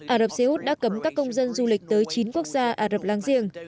ả rập xê út đã cấm các công dân du lịch tới chín quốc gia ả rập lang giềng